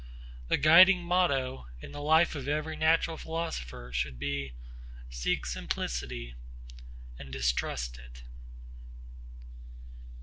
The guiding motto in the life of every natural philosopher should be, Seek simplicity and distrust it.